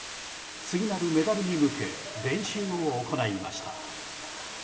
次なるメダルに向け練習を行いました。